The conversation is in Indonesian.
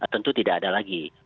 tentu tidak ada lagi